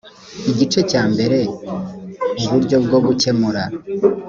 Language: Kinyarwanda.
igice cya mbere uburyo bwo gukemura